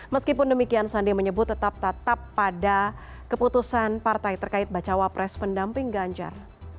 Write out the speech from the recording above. meskipun demikian sandi menyebut tetap tetap pada keputusan partai terkait bacawa pres pendamping ganjar